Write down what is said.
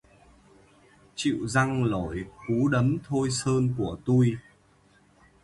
Chịu răng nổi cú đấm thôi sơn của tui